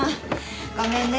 ごめんね。